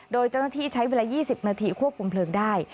โดยเจ้าหน้าที่ใช้เวลา๒๐นาทีควบคุมเพลิงได้